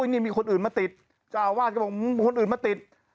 นี่มีคนอื่นมาติดเจ้าอาวาสก็บอกคนอื่นมาติด